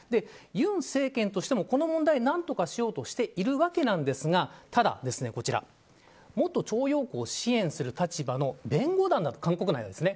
尹政権としても、この問題を何とかしようとしているわけなんですがただ、こちら元徴用工を支援する立場の弁護団が韓国内でですね。